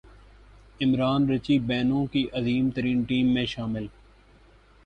Imran Richie Benaud کی عظیم ترین ٹیم میں شامل